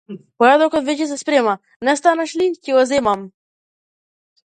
Појадокот веќе се спрема, не станеш ли, ќе го земам!